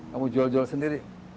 kamu jual jual sendiri